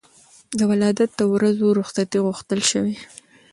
د ولادت د ورځو رخصتي غوښتل شوې.